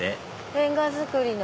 レンガ造りの。